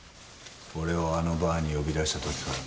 俺をあのバーに呼び出した時から。